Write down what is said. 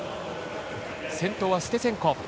先頭はステツェンコ。